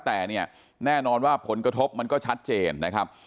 แต่เนี่ยแน่นอนว่าผลกระทบมันก็ชัดเจนนะครับ